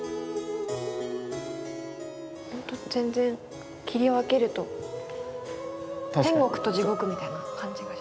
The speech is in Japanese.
ほんと全然切り分けると天国と地獄みたいな感じがします。